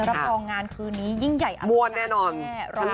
รับรองงานคืนนี้ยิ่งใหญ่ระดับจังแค่มวนแน่นอน